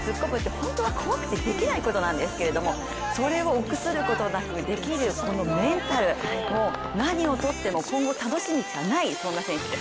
本当は怖くてできないことなんですけどそれを臆することなくできるこのメンタル、もう何をとっても今後楽しみしかない選手です。